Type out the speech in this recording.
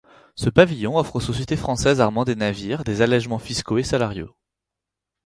Ce pavillon offre aux sociétés françaises armant des navires des allègements fiscaux et salariaux.